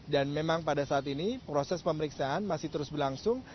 dan memang pada saat ini proses pemeriksaan masih terus berlangsung